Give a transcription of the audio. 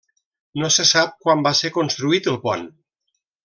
No se sap quan va ser construït el pont.